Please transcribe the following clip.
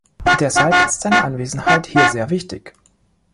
Deshalb ist seine Anwesenheit hier sehr wichtig.